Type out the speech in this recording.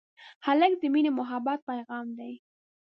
هلک د مینې او محبت پېغام دی.